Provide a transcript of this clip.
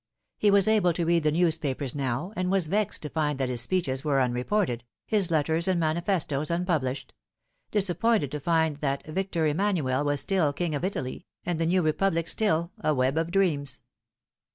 He was able to read the newspapers now, and was vexed to find that his speeches were unreported, his letters and manifestoes unpublished ; disappointed to find that Victor Emanuel was still King of Italy, and the new Republic still a web of dreams.